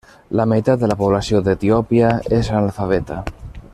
La meitat de la població d'Etiòpia és analfabeta.